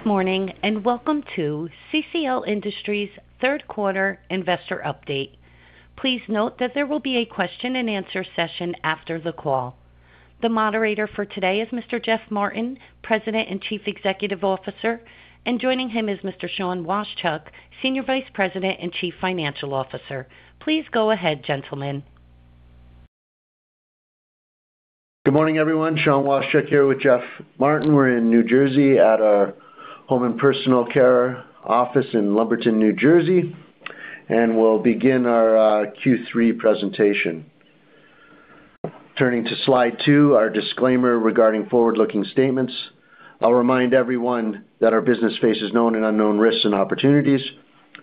Good morning and welcome to CCL Industries' third quarter investor update. Please note that there will be a question-and-answer session after the call. The moderator for today is Mr. Geoff Martin, President and Chief Executive Officer, and joining him is Mr. Sean Washchuk, Senior Vice President and Chief Financial Officer. Please go ahead, gentlemen. Good morning, everyone. Sean Washchuk here with Geoff Martin. We're in New Jersey at our home and personal care office in Lumberton, New Jersey, and we'll begin our Q3 presentation. Turning to slide two, our disclaimer regarding forward-looking statements. I'll remind everyone that our business faces known and unknown risks and opportunities.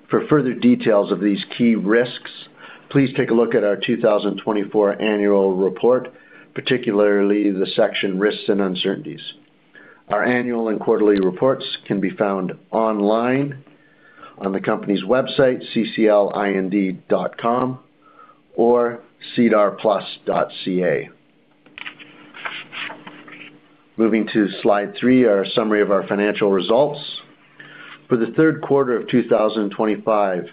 For further details of these key risks, please take a look at our 2024 annual report, particularly the section risks and uncertainties. Our annual and quarterly reports can be found online on the company's website, cclind.com, or cedarplus.ca. Moving to slide three, our summary of our financial results. For the third quarter of 2025,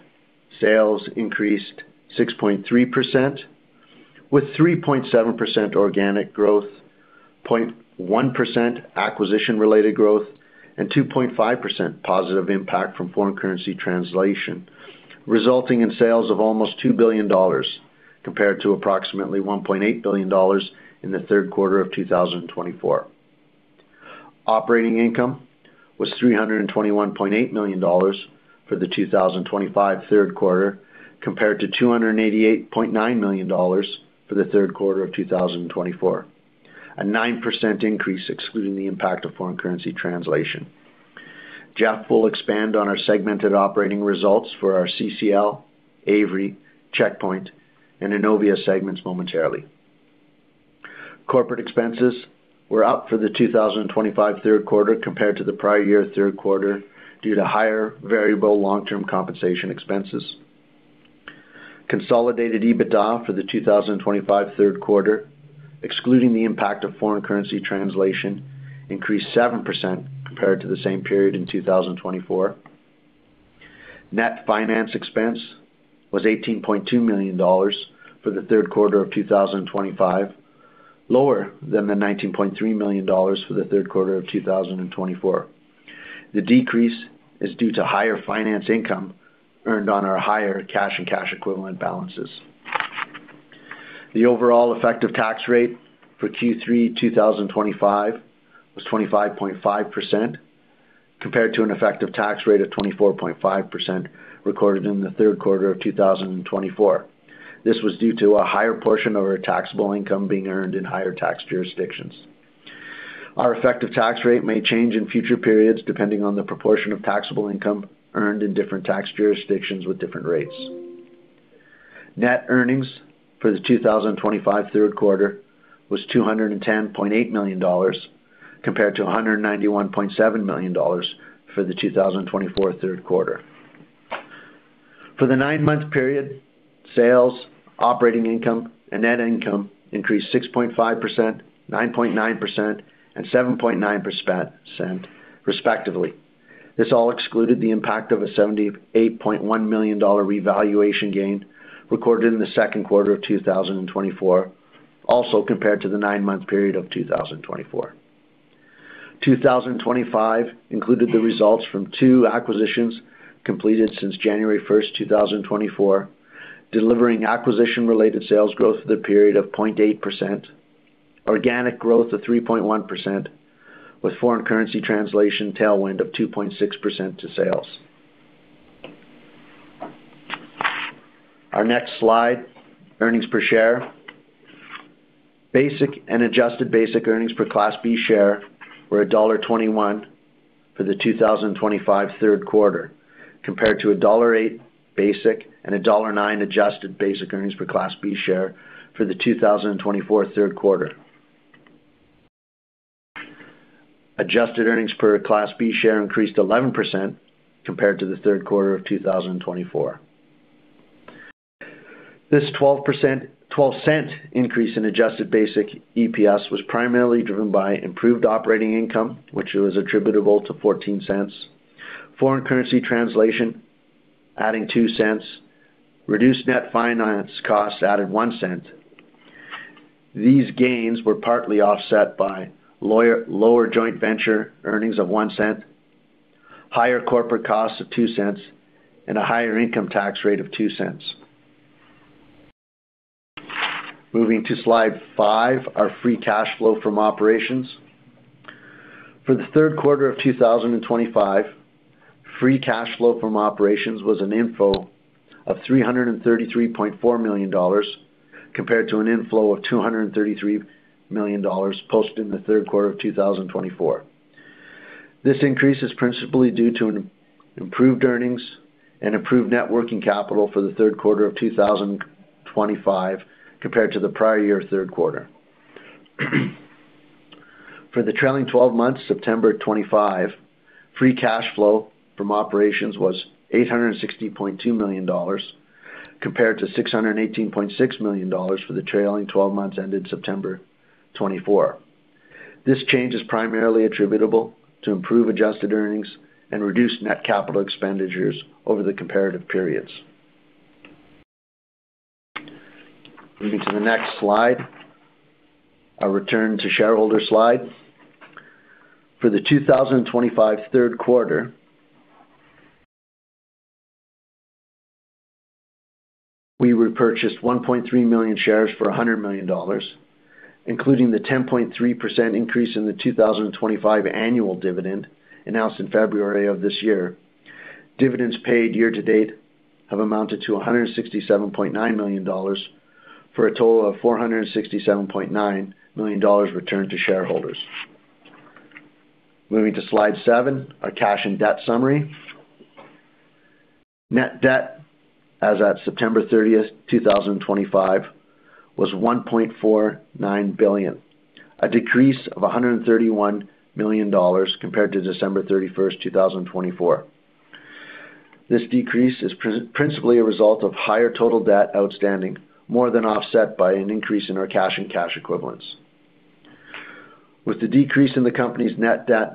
sales increased 6.3%, with 3.7% organic growth, 0.1% acquisition-related growth, and 2.5% positive impact from foreign currency translation, resulting in sales of almost $2 billion compared to approximately $1.8 billion in the third quarter of 2024. Operating income was $321.8 million for the 2025 third quarter, compared to $288.9 million for the third quarter of 2024, a 9% increase excluding the impact of foreign currency translation. Geoff will expand on our segmented operating results for our CCL, Avery, Checkpoint, and Innovia segments momentarily. Corporate expenses were up for the 2025 third quarter compared to the prior year third quarter due to higher variable long-term compensation expenses. Consolidated EBITDA for the 2025 third quarter, excluding the impact of foreign currency translation, increased 7% compared to the same period in 2024. Net finance expense was $18.2 million for the third quarter of 2025, lower than the $19.3 million for the third quarter of 2024. The decrease is due to higher finance income earned on our higher cash and cash equivalent balances. The overall effective tax rate for Q3 2025 was 25.5%, compared to an effective tax rate of 24.5% recorded in the third quarter of 2024. This was due to a higher portion of our taxable income being earned in higher tax jurisdictions. Our effective tax rate may change in future periods depending on the proportion of taxable income earned in different tax jurisdictions with different rates. Net earnings for the 2025 third quarter was $210.8 million compared to $191.7 million for the 2024 third quarter. For the nine-month period, sales, operating income, and net income increased 6.5%, 9.9%, and 7.9%, respectively. This all excluded the impact of a $78.1 million revaluation gain recorded in the second quarter of 2024, also compared to the nine-month period of 2024. 2025 included the results from two acquisitions completed since January 1, 2024, delivering acquisition-related sales growth for the period of 0.8%, organic growth of 3.1%, with foreign currency translation tailwind of 2.6% to sales. Our next slide, earnings per share. Basic and adjusted basic earnings per class B share were $1.21 for the 2025 third quarter, compared to $1.08 basic and $1.09 adjusted basic earnings per class B share for the 2024 third quarter. Adjusted earnings per class B share increased 11% compared to the third quarter of 2024. This $0.12 increase in adjusted basic EPS was primarily driven by improved operating income, which was attributable to $0.14. Foreign currency translation adding $0.02 reduced net finance costs added $0.01. These gains were partly offset by lower joint venture earnings of $0.01, higher corporate costs of $0.02, and a higher income tax rate of $0.02. Moving to slide five, our free cash flow from operations. For the third quarter of 2025, free cash flow from operations was an inflow of $333.4 million compared to an inflow of $233 million posted in the third quarter of 2024. This increase is principally due to improved earnings and improved net working capital for the third quarter of 2025 compared to the prior year third quarter. For the trailing 12 months, September 2025, free cash flow from operations was $860.2 million compared to $618.6 million for the trailing 12 months ended September 2024. This change is primarily attributable to improved adjusted earnings and reduced net capital expenditures over the comparative periods. Moving to the next slide, our return to shareholder slide. For the 2025 third quarter, we repurchased 1.3 million shares for $100 million, including the 10.3% increase in the 2025 annual dividend announced in February of this year. Dividends paid year-to-date have amounted to $167.9 million for a total of $467.9 million returned to shareholders. Moving to slide seven, our cash and debt summary. Net debt, as at September 30, 2025, was $1.49 billion, a decrease of $131 million compared to December 31, 2024. This decrease is principally a result of higher total debt outstanding, more than offset by an increase in our cash and cash equivalents. With the decrease in the company's net debt,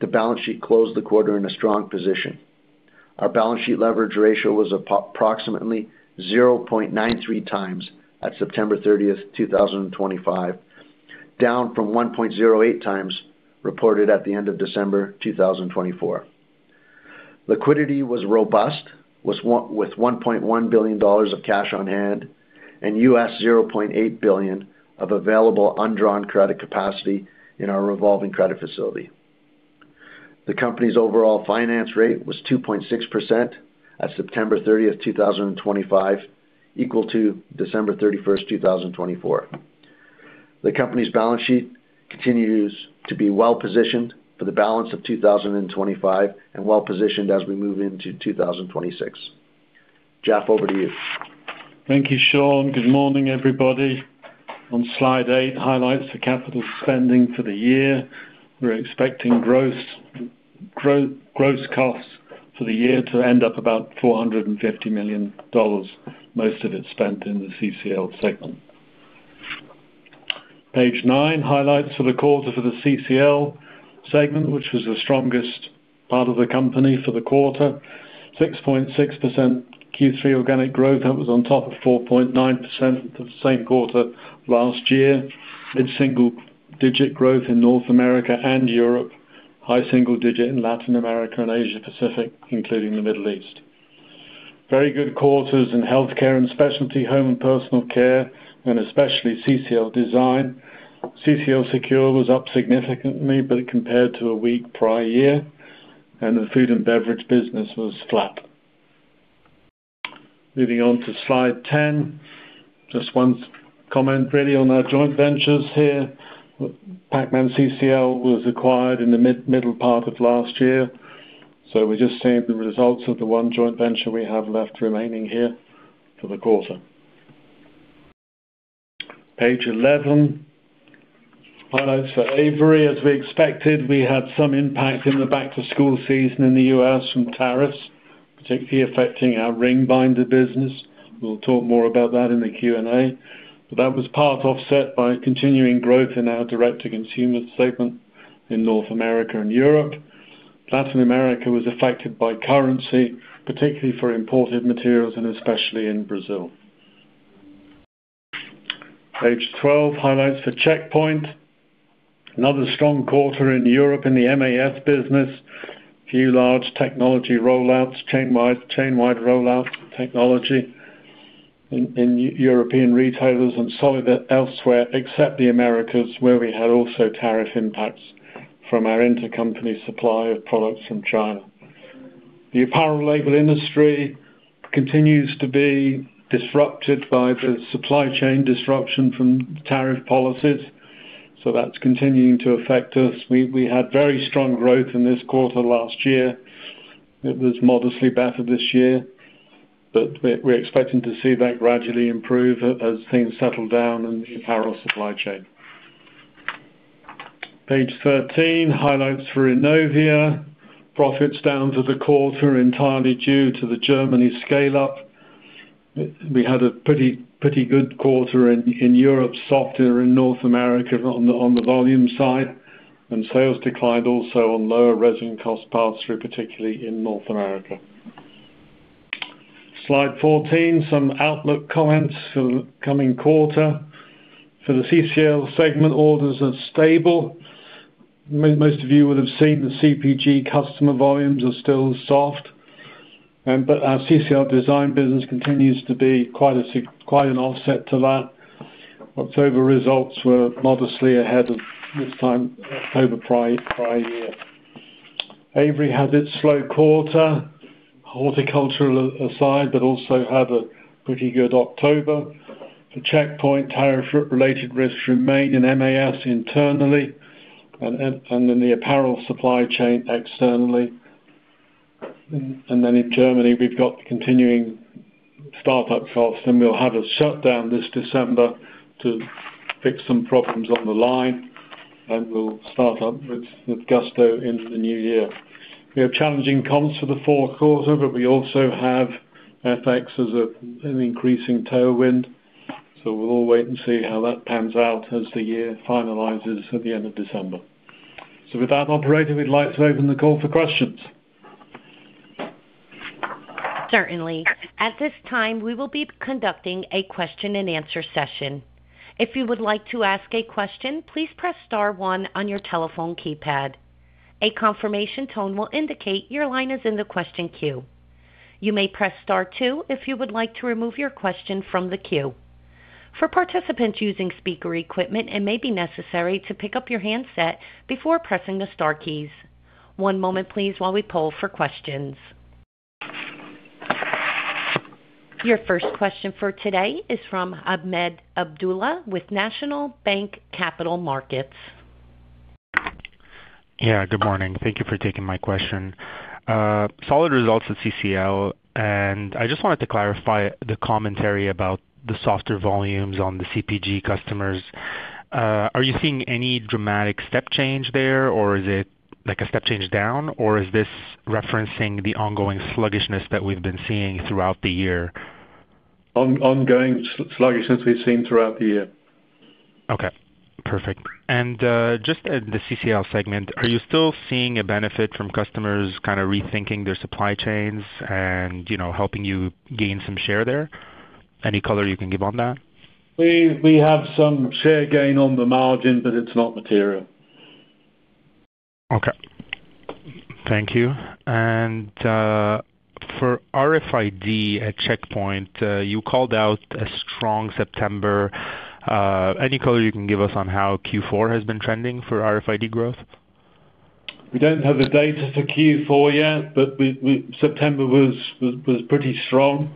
the balance sheet closed the quarter in a strong position. Our balance sheet leverage ratio was approximately 0.93 times at September 30, 2025, down from 1.08 times reported at the end of December 2024. Liquidity was robust, with $1.1 billion of cash on hand and $0.8 billion of available undrawn credit capacity in our revolving credit facility. The company's overall finance rate was 2.6% at September 30, 2025, equal to December 31, 2024. The company's balance sheet continues to be well-positioned for the balance of 2025 and well-positioned as we move into 2026. Geoff, over to you. Thank you, Sean. Good morning, everybody. On slide eight highlights the capital spending for the year. We are expecting gross costs for the year to end up about $450 million, most of it spent in the CCL segment. Page nine highlights for the quarter for the CCL segment, which was the strongest part of the company for the quarter, 6.6% Q3 organic growth that was on top of 4.9% the same quarter last year. Mid-single-digit growth in North America and Europe, high single-digit in Latin America and Asia-Pacific, including the Middle East. Very good quarters in healthcare and specialty home and personal care, and especially CCL Design. CCL Secure was up significantly, but compared to a weak prior year, and the food and beverage business was flat. Moving on to slide ten, just one comment really on our joint ventures here. Pacman CCL was acquired in the middle part of last year, so we just see the results of the one joint venture we have left remaining here for the quarter. Page 11 highlights for Avery. As we expected, we had some impact in the back-to-school season in the U.S. from tariffs, particularly affecting our ring binder business. We will talk more about that in the Q&A. That was part offset by continuing growth in our direct-to-consumer segment in North America and Europe. Latin America was affected by currency, particularly for imported materials, and especially in Brazil. Page 12 highlights for Checkpoint. Another strong quarter in Europe in the MAF business. Few large technology rollouts, chain-wide rollouts of technology in European retailers and solid elsewhere, except the Americas, where we had also tariff impacts from our intercompany supply of products from China. The apparel label industry continues to be disrupted by the supply chain disruption from tariff policies, so that's continuing to affect us. We had very strong growth in this quarter last year. It was modestly better this year, but we're expecting to see that gradually improve as things settle down in the apparel supply chain. Page 13 highlights for Innovia. Profits down for the quarter entirely due to the Germany scale-up. We had a pretty good quarter in Europe, softer in North America on the volume side, and sales declined also on lower resin cost paths, particularly in North America. Slide 14, some outlook comments for the coming quarter. For the CCL segment, orders are stable. Most of you would have seen the CPG customer volumes are still soft, but our CCL design business continues to be quite an offset to that. October results were modestly ahead of this time, October prior year. Avery had its slow quarter, horticultural aside, but also had a pretty good October. For Checkpoint, tariff-related risks remain in MAF internally and in the apparel supply chain externally. In Germany, we've got continuing startup costs, and we'll have a shutdown this December to fix some problems on the line, and we'll start up with Gusto in the new year. We have challenging comps for the fourth quarter, but we also have FX as an increasing tailwind, so we'll all wait and see how that pans out as the year finalizes at the end of December. With that Operator, we'd like to open the call for questions. Certainly. At this time, we will be conducting a question-and-answer session. If you would like to ask a question, please press star one on your telephone keypad. A confirmation tone will indicate your line is in the question queue. You may press star two if you would like to remove your question from the queue. For participants using speaker equipment, it may be necessary to pick up your handset before pressing the star keys. One moment, please, while we poll for questions. Your first question for today is from Ahmed Abdullah with National Bank Capital Markets. Yeah, good morning. Thank you for taking my question. Solid results at CCL, and I just wanted to clarify the commentary about the softer volumes on the CPG customers. Are you seeing any dramatic step change there, or is it like a step change down, or is this referencing the ongoing sluggishness that we've been seeing throughout the year? Ongoing sluggishness we've seen throughout the year. Okay. Perfect. In the CCL segment, are you still seeing a benefit from customers kind of rethinking their supply chains and helping you gain some share there? Any color you can give on that? We have some share gain on the margin, but it's not material. Okay. Thank you. For RFID at Checkpoint, you called out a strong September. Any color you can give us on how Q4 has been trending for RFID growth? We don't have the data for Q4 yet, but September was pretty strong.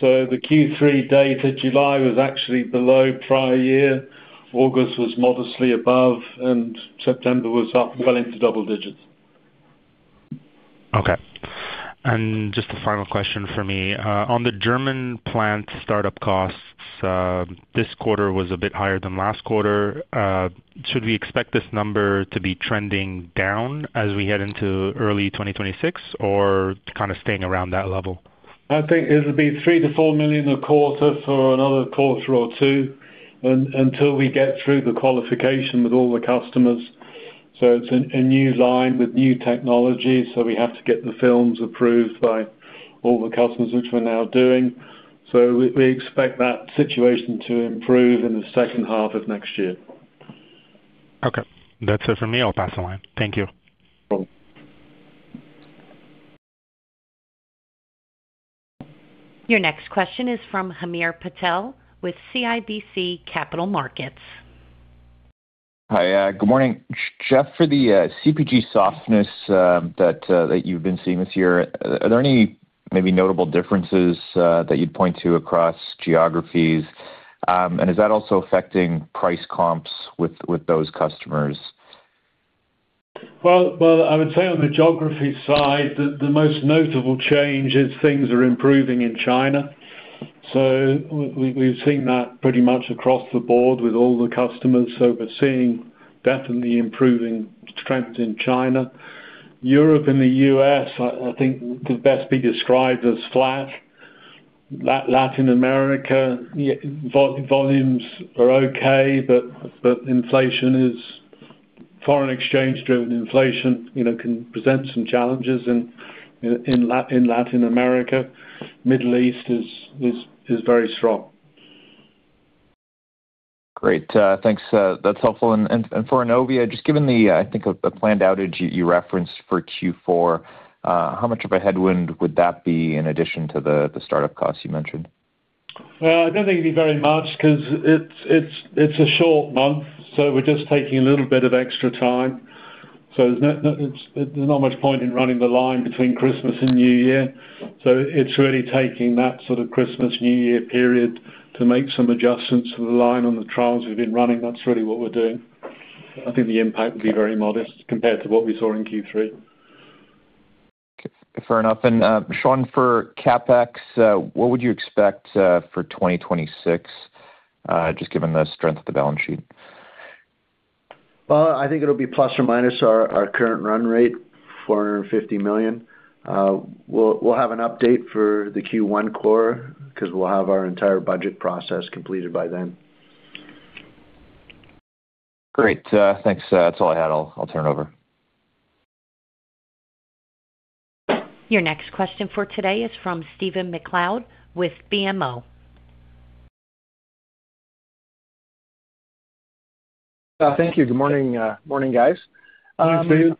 The Q3 data, July was actually below prior year. August was modestly above, and September was up well into double digits. Okay. Just a final question for me. On the German plant startup costs, this quarter was a bit higher than last quarter. Should we expect this number to be trending down as we head into early 2026, or kind of staying around that level? I think it'll be $3 million-$4 million a quarter for another quarter or two until we get through the qualification with all the customers. It's a new line with new technology, so we have to get the films approved by all the customers, which we're now doing. We expect that situation to improve in the second half of next year. Okay. That's it for me. I'll pass the line. Thank you. No problem. Your next question is from Hamir Patel with CIBC Capital Markets. Hi, good morning. Geoff, for the CPG softness that you've been seeing this year, are there any maybe notable differences that you'd point to across geographies? Is that also affecting price comps with those customers? I would say on the geography side, the most notable change is things are improving in China. We have seen that pretty much across the board with all the customers. We are seeing definitely improving strength in China. Europe and the U.S., I think, could best be described as flat. Latin America, volumes are okay, but inflation is foreign exchange-driven inflation can present some challenges in Latin America. Middle East is very strong. Great. Thanks. That's helpful. And for Innovia, just given the, I think, the planned outage you referenced for Q4, how much of a headwind would that be in addition to the startup costs you mentioned? I don't think it'd be very much because it's a short month, so we're just taking a little bit of extra time. There's not much point in running the line between Christmas and New Year. It's really taking that sort of Christmas-New Year period to make some adjustments to the line on the trials we've been running. That's really what we're doing. I think the impact would be very modest compared to what we saw in Q3. Fair enough. Sean, for CapEx, what would you expect for 2026, just given the strength of the balance sheet? I think it'll be plus or minus our current run rate, $450 million. We'll have an update for the Q1 quarter because we'll have our entire budget process completed by then. Great. Thanks. That's all I had. I'll turn it over. Your next question for today is from Stephen MacLeod with BMO. Thank you. Good morning, guys. Good morning.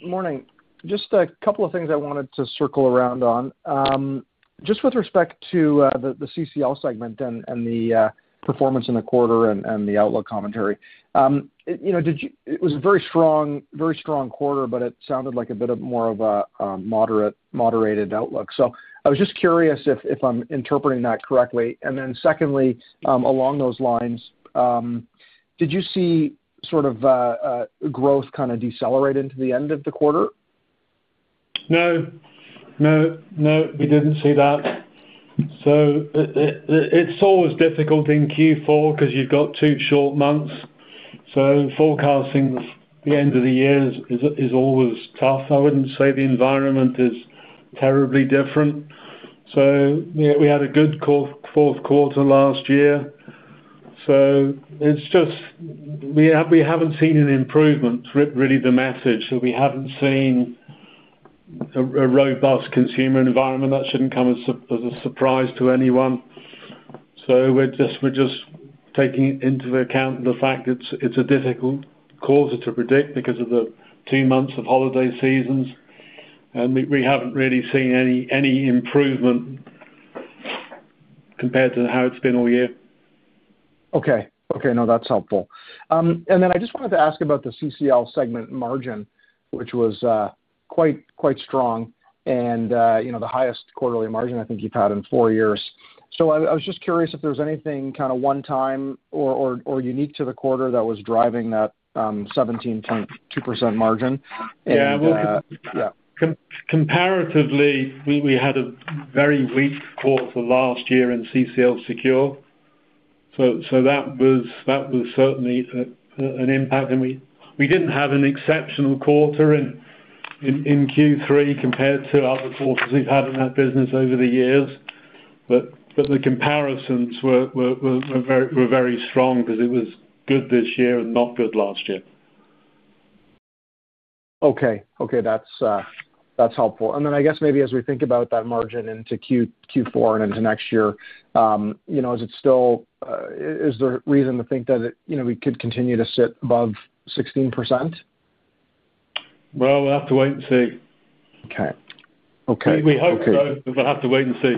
Good morning. Just a couple of things I wanted to circle around on. Just with respect to the CCL segment and the performance in the quarter and the outlook commentary, it was a very strong quarter, but it sounded like a bit more of a moderated outlook. I was just curious if I'm interpreting that correctly. Then secondly, along those lines, did you see sort of growth kind of decelerate into the end of the quarter? No. No. No. We didn't see that. It's always difficult in Q4 because you've got two short months. Forecasting the end of the year is always tough. I wouldn't say the environment is terribly different. We had a good fourth quarter last year. We haven't seen an improvement, really, the message. We haven't seen a robust consumer environment. That shouldn't come as a surprise to anyone. We're just taking into account the fact that it's a difficult quarter to predict because of the two months of holiday seasons. We haven't really seen any improvement compared to how it's been all year. Okay. Okay. No, that's helpful. I just wanted to ask about the CCL segment margin, which was quite strong and the highest quarterly margin I think you've had in four years. I was just curious if there's anything kind of one-time or unique to the quarter that was driving that 17.2% margin. Yeah. Comparatively, we had a very weak quarter last year in CCL Secure. That was certainly an impact. We did not have an exceptional quarter in Q3 compared to other quarters we have had in that business over the years. The comparisons were very strong because it was good this year and not good last year. Okay. Okay. That's helpful. I guess maybe as we think about that margin into Q4 and into next year, is it still, is there a reason to think that we could continue to sit above 16%? We'll have to wait and see. Okay. Okay. We hope so, but we'll have to wait and see.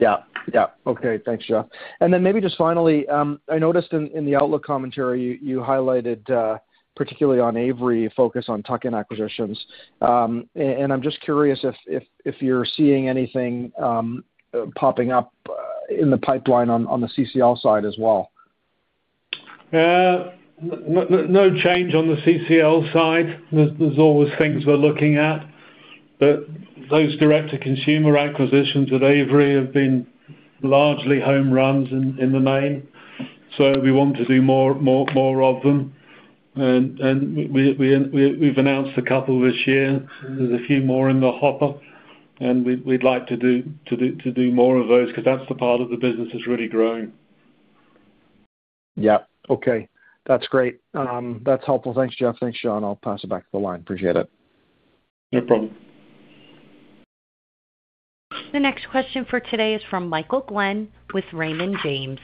Yeah. Yeah. Okay. Thanks, Geoff. And then maybe just finally, I noticed in the outlook commentary, you highlighted, particularly on Avery, focus on tuck-in acquisitions. And I'm just curious if you're seeing anything popping up in the pipeline on the CCL side as well. No change on the CCL side. There is always things we are looking at. But those direct-to-consumer acquisitions at Avery have been largely home runs in the main. We want to do more of them. We have announced a couple this year. There are a few more in the hopper. We would like to do more of those because that is the part of the business that is really growing. Yeah. Okay. That's great. That's helpful. Thanks, Geoff. Thanks, Sean. I'll pass it back to the line. Appreciate it. No problem. The next question for today is from Michael Glen with Raymond James.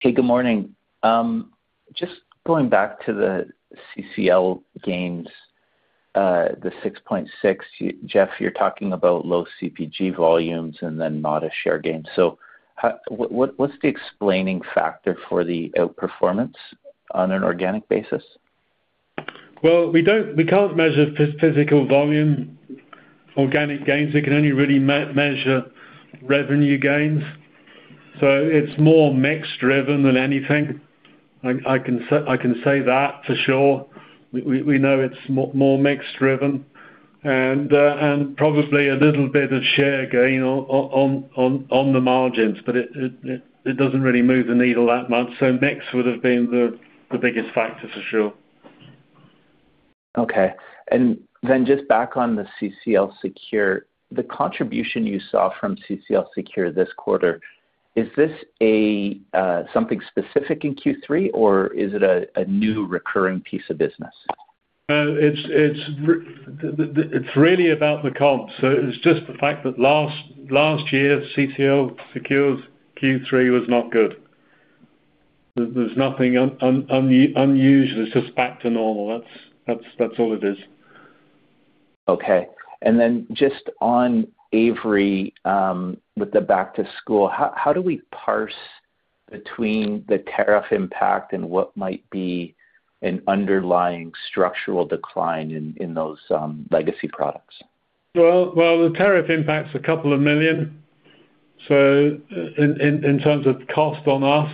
Hey, good morning. Just going back to the CCL gains, the 6.6, Jeff, you're talking about low CPG volumes and then modest share gains. What is the explaining factor for the outperformance on an organic basis? We cannot measure physical volume organic gains. We can only really measure revenue gains. It is more mix-driven than anything. I can say that for sure. We know it is more mix-driven and probably a little bit of share gain on the margins, but it does not really move the needle that much. Mix would have been the biggest factor for sure. Okay. And then just back on the CCL Secure, the contribution you saw from CCL Secure this quarter, is this something specific in Q3, or is it a new recurring piece of business? It's really about the comps. So it's just the fact that last year, CCL Secure's Q3 was not good. There's nothing unusual. It's just back to normal. That's all it is. Okay. And then just on Avery with the back-to-school, how do we parse between the tariff impact and what might be an underlying structural decline in those legacy products? The tariff impact's a couple of million, so in terms of cost on us.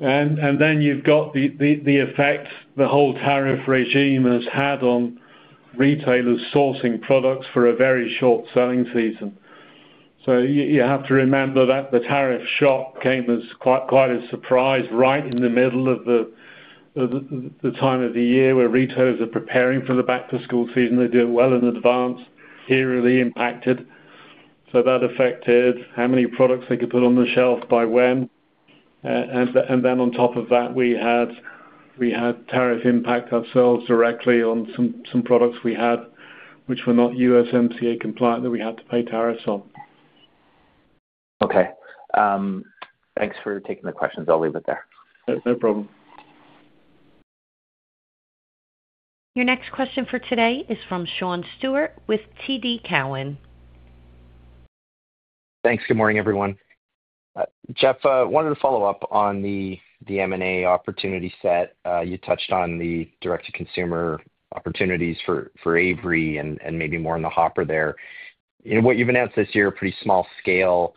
Then you've got the effect the whole tariff regime has had on retailers sourcing products for a very short selling season. You have to remember that the tariff shock came as quite a surprise right in the middle of the time of the year where retailers are preparing for the back-to-school season. They did well in advance. Here are the impacted. That affected how many products they could put on the shelf by when. On top of that, we had tariff impact ourselves directly on some products we had which were not USMCA compliant that we had to pay tariffs on. Okay. Thanks for taking the questions. I'll leave it there. No problem. Your next question for today is from Sean Stewart with TD Cowen. Thanks. Good morning, everyone. Geoff, I wanted to follow up on the M&A opportunity set. You touched on the direct-to-consumer opportunities for Avery and maybe more in the hopper there. What you've announced this year is pretty small scale.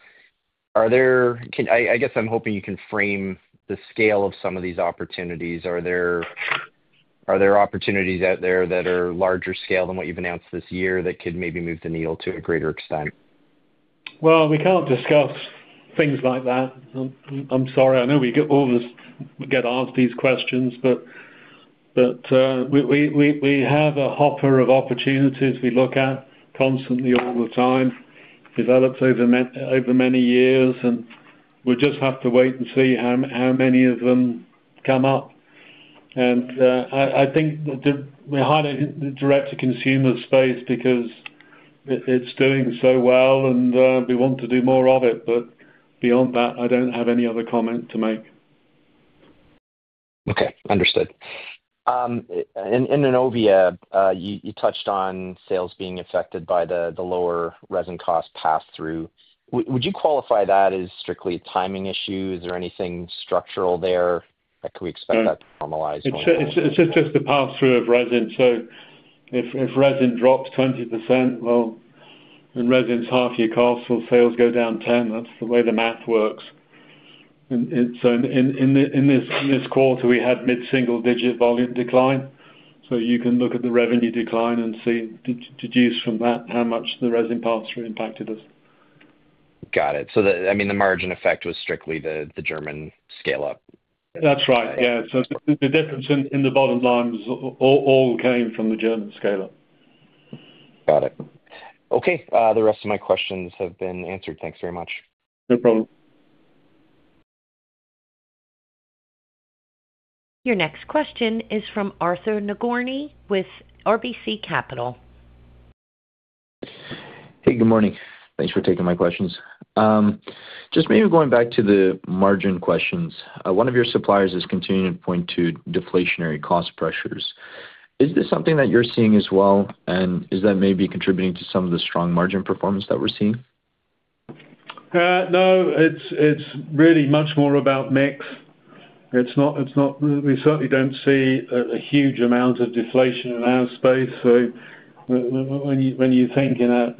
I guess I'm hoping you can frame the scale of some of these opportunities. Are there opportunities out there that are larger scale than what you've announced this year that could maybe move the needle to a greater extent? We cannot discuss things like that. I'm sorry. I know we get asked these questions, but we have a hopper of opportunities we look at constantly all the time, developed over many years. We will just have to wait and see how many of them come up. I think we are highly in the direct-to-consumer space because it is doing so well, and we want to do more of it. Beyond that, I do not have any other comment to make. Okay. Understood. In Innovia, you touched on sales being affected by the lower resin cost pass-through. Would you qualify that as strictly a timing issue? Is there anything structural there? Could we expect that to normalize? It's just the pass-through of resin. If resin drops 20%, and resin's half your cost, your sales go down 10%. That's the way the math works. In this quarter, we had mid-single-digit volume decline. You can look at the revenue decline and see, deduced from that, how much the resin pass-through impacted us. Got it. I mean, the margin effect was strictly the German scale-up. That's right. Yeah. So the difference in the bottom lines all came from the German scale-up. Got it. Okay. The rest of my questions have been answered. Thanks very much. No problem. Your next question is from Arthur Nagorny with RBC Capital. Hey, good morning. Thanks for taking my questions. Just maybe going back to the margin questions, one of your suppliers is continuing to point to deflationary cost pressures. Is this something that you're seeing as well, and is that maybe contributing to some of the strong margin performance that we're seeing? No. It's really much more about mix. We certainly don't see a huge amount of deflation in our space. When you're thinking that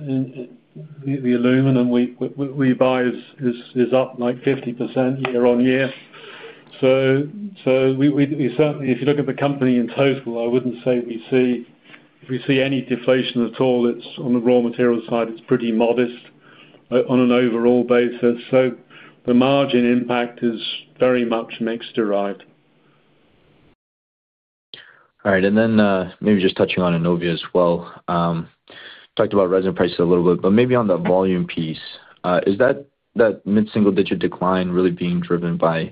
the aluminum we buy is up like 50% year on year. Certainly, if you look at the company in total, I wouldn't say we see if we see any deflation at all, it's on the raw materials side, it's pretty modest on an overall basis. The margin impact is very much mix-derived. All right. Maybe just touching on Innovia as well. Talked about resin prices a little bit, but maybe on the volume piece, is that mid-single-digit decline really being driven by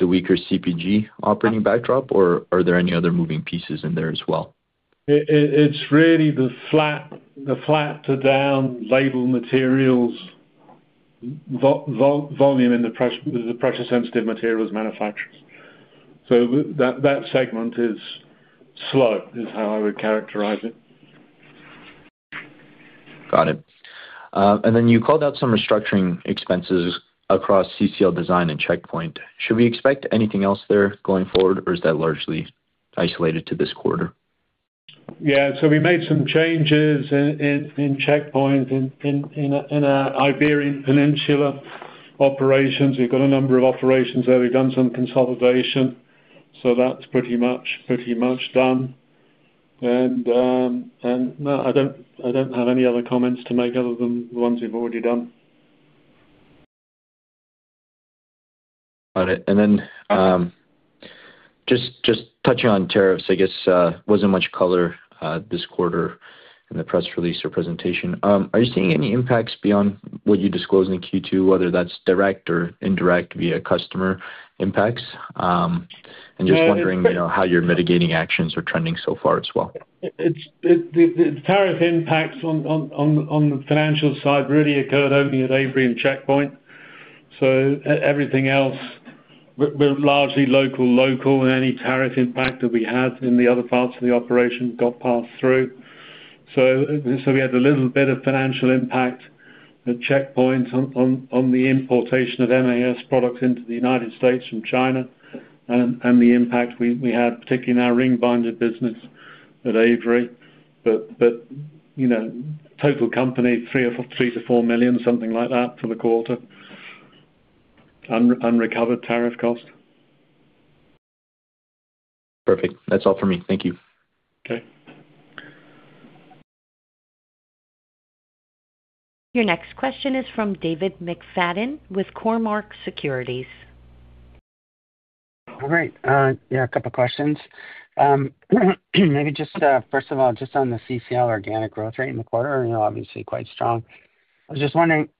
the weaker CPG operating backdrop, or are there any other moving pieces in there as well? It's really the flat-to-down label materials volume and the pressure-sensitive materials manufacturers. So that segment is slow is how I would characterize it. Got it. Then you called out some restructuring expenses across CCL Design and Checkpoint. Should we expect anything else there going forward, or is that largely isolated to this quarter? Yeah. We made some changes in Checkpoint in our Iberian Peninsula operations. We've got a number of operations there. We've done some consolidation. That's pretty much done. No, I don't have any other comments to make other than the ones we've already done. Got it. Just touching on tariffs, I guess there was not much color this quarter in the press release or presentation. Are you seeing any impacts beyond what you disclosed in Q2, whether that is direct or indirect via customer impacts? I am just wondering how your mitigating actions are trending so far as well. The tariff impacts on the financial side really occurred only at Avery and Checkpoint. Everything else was largely local and any tariff impact that we had in the other parts of the operation got passed through. We had a little bit of financial impact at Checkpoint on the importation of MAS products into the United States from China and the impact we had, particularly in our ring binder business at Avery. Total company, $3 million-$4 million, something like that for the quarter, unrecovered tariff cost. Perfect. That's all for me. Thank you. Okay. Your next question is from David McFadgen with Cormark Securities. All right. Yeah, a couple of questions. Maybe just first of all, just on the CCL organic growth rate in the quarter, obviously quite strong. I was just wondering,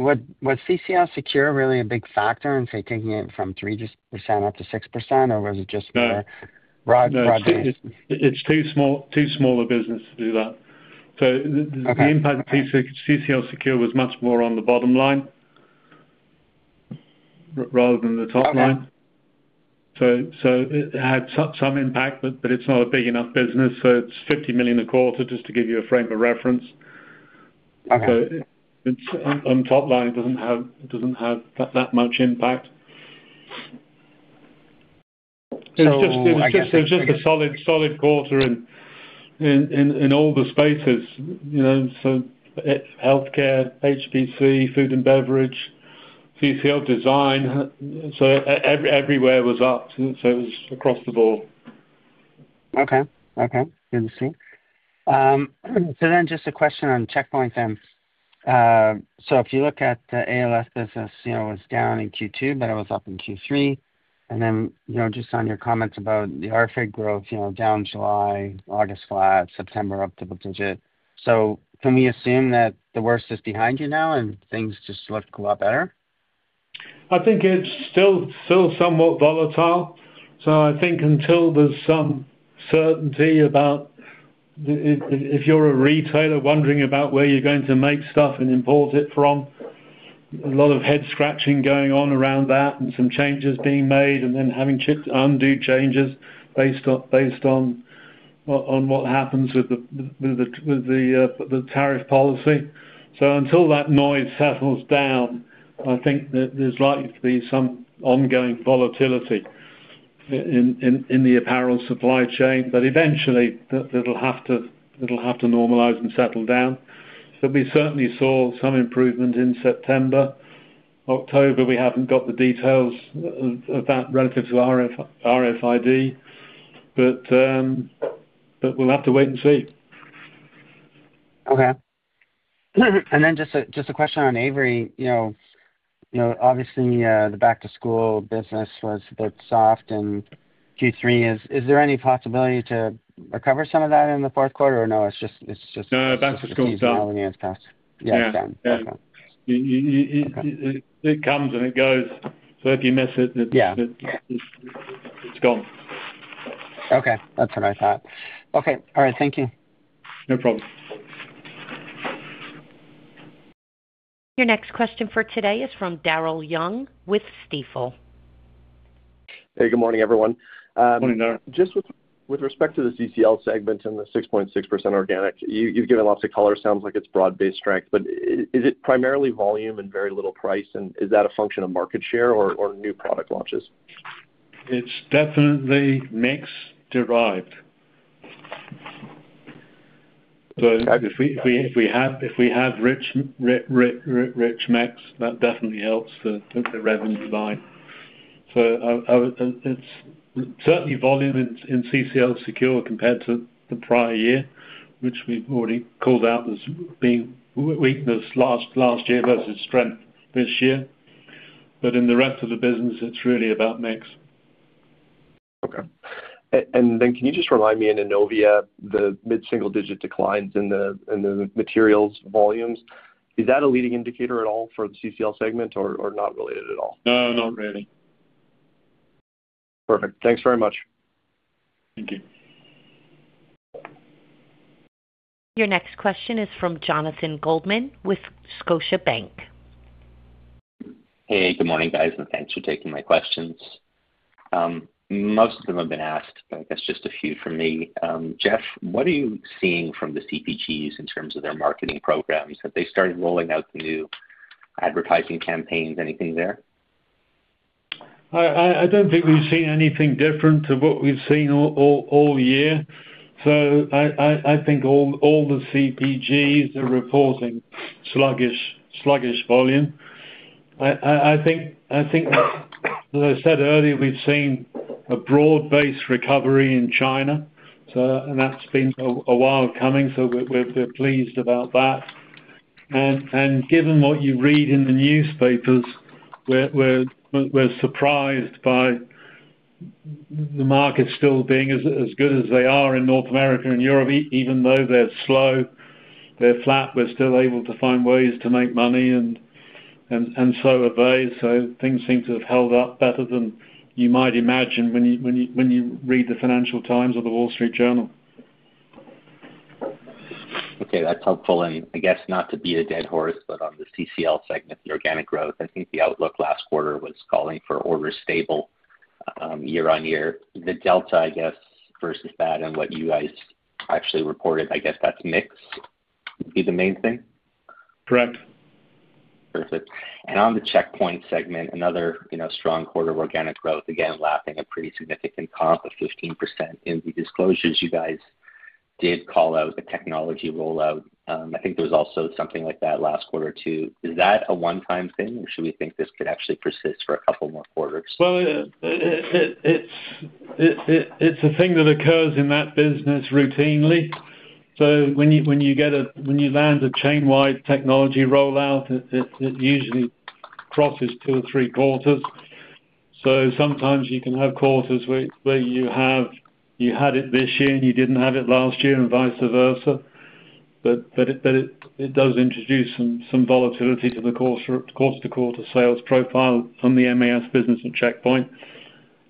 was CCL Secure really a big factor in, say, taking it from 3% up to 6%, or was it just more broad-based? It's too small a business to do that. The impact of CCL Secure was much more on the bottom line rather than the top line. It had some impact, but it's not a big enough business. It's $50 million a quarter, just to give you a frame of reference. On top line, it does not have that much impact. It was just a solid quarter in all the spaces. Healthcare, HPC, food and beverage, CCL Design. Everywhere was up. It was across the board. Okay. Okay. Good to see. Just a question on Checkpoint then. If you look at the ALS business, it was down in Q2, but it was up in Q3. Just on your comments about the RFID growth, down July, August flat, September up double digit. Can we assume that the worst is behind you now and things just look a lot better? I think it's still somewhat volatile. I think until there's some certainty about if you're a retailer wondering about where you're going to make stuff and import it from, a lot of head-scratching going on around that and some changes being made and then having to undo changes based on what happens with the tariff policy. Until that noise settles down, I think there's likely to be some ongoing volatility in the apparel supply chain. Eventually, it'll have to normalize and settle down. We certainly saw some improvement in September. October, we haven't got the details of that relative to RFID, but we'll have to wait and see. Okay. And then just a question on Avery. Obviously, the back-to-school business was a bit soft in Q3. Is there any possibility to recover some of that in the fourth quarter, or no, it's just. No, back-to-school's done. Seasonality has passed. Yeah, it's done. Okay. It comes and it goes. If you miss it, it's gone. Okay. That's what I thought. Okay. All right. Thank you. No problem. Your next question for today is from Daryl Young with Stifel. Hey, good morning, everyone. Good morning, Daryl. Just with respect to the CCL segment and the 6.6% organic, you've given lots of color. It sounds like it's broad-based strength, but is it primarily volume and very little price, and is that a function of market share or new product launches? It's definitely mix-derived. If we have rich mix, that definitely helps the revenue line. It's certainly volume in CCL Secure compared to the prior year, which we've already called out as being weakness last year versus strength this year. In the rest of the business, it's really about mix. Okay. Can you just remind me, in Innovia, the mid-single-digit declines in the materials volumes, is that a leading indicator at all for the CCL segment or not related at all? No, not really. Perfect. Thanks very much. Thank you. Your next question is from Jonathan Goldman with Scotiabank. Hey, good morning, guys, and thanks for taking my questions. Most of them have been asked, but I guess just a few from me. Jeff, what are you seeing from the CPGs in terms of their marketing programs? Have they started rolling out the new advertising campaigns? Anything there? I don't think we've seen anything different to what we've seen all year. I think all the CPGs are reporting sluggish volume. I think, as I said earlier, we've seen a broad-based recovery in China, and that's been a while coming. We're pleased about that. Given what you read in the newspapers, we're surprised by the market still being as good as they are in North America and Europe. Even though they're slow, they're flat, we're still able to find ways to make money and so have they. Things seem to have held up better than you might imagine when you read the Financial Times or the Wall Street Journal. Okay. That's helpful. I guess not to beat a dead horse, but on the CCL segment, the organic growth, I think the outlook last quarter was calling for orders stable year on year. The delta, I guess, versus that and what you guys actually reported, I guess that's mixed would be the main thing? Correct. Perfect. On the Checkpoint segment, another strong quarter of organic growth, again, lapping a pretty significant comp of 15% in the disclosures you guys did call out, the technology rollout. I think there was also something like that last quarter too. Is that a one-time thing, or should we think this could actually persist for a couple more quarters? It is a thing that occurs in that business routinely. When you get a when you land a chain-wide technology rollout, it usually crosses two or three quarters. Sometimes you can have quarters where you had it this year and you did not have it last year and vice versa. It does introduce some volatility to the quarter-to-quarter sales profile on the MAS business at Checkpoint.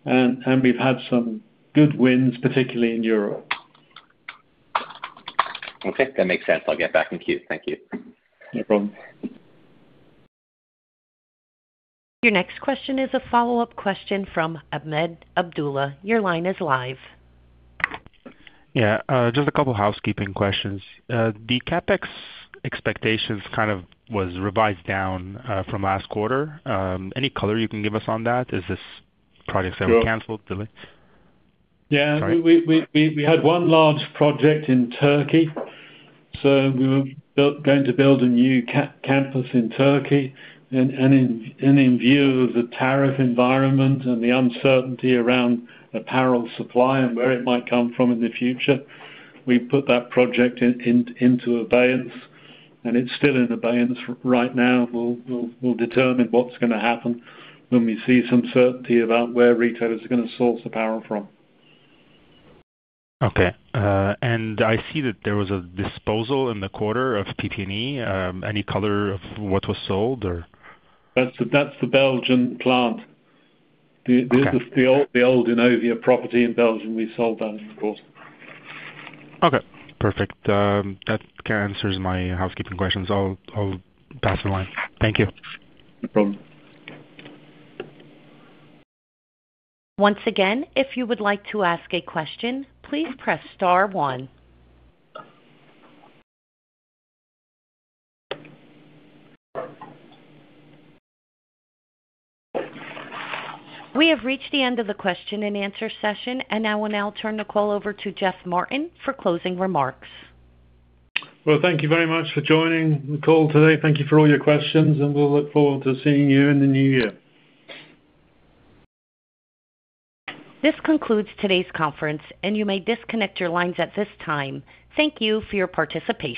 We have had some good wins, particularly in Europe. Okay. That makes sense. I'll get back in queue. Thank you. No problem. Your next question is a follow-up question from Ahmed Abdullah. Your line is live. Yeah. Just a couple of housekeeping questions. The CapEx expectations kind of was revised down from last quarter. Any color you can give us on that? Is this project that was canceled? Yeah. We had one large project in Turkey. We were going to build a new campus in Turkey. In view of the tariff environment and the uncertainty around apparel supply and where it might come from in the future, we put that project into abeyance. It is still in abeyance right now. We will determine what is going to happen when we see some certainty about where retailers are going to source apparel from. Okay. I see that there was a disposal in the quarter of PP&E. Any color of what was sold, or? That's the Belgian plant. The old Innovia property in Belgium, we sold that, of course. Okay. Perfect. That answers my housekeeping questions. I'll pass the line. Thank you. No problem. Once again, if you would like to ask a question, please press star one. We have reached the end of the question and answer session, and I will now turn the call over to Geoff Martin for closing remarks. Thank you very much for joining the call today. Thank you for all your questions, and we'll look forward to seeing you in the new year. This concludes today's conference, and you may disconnect your lines at this time. Thank you for your participation.